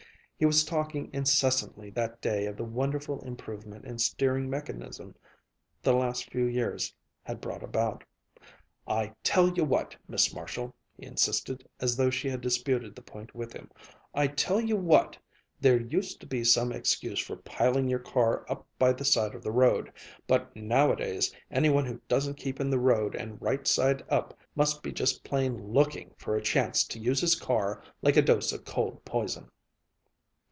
He was talking incessantly that day of the wonderful improvement in steering mechanism the last few years had brought about. "I tell you what, Miss Marshall!" he insisted, as though she had disputed the point with him, "I tell you what, there used to be some excuse for piling your car up by the side of the road, but nowadays any one who doesn't keep in the road and right side up must be just plain looking for a chance to use his car like a dose of cold poison."